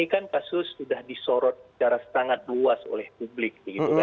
ini kan kasus sudah disorot secara sangat luas oleh publik